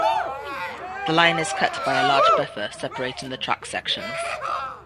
The line is cut by a large buffer separating the track sections.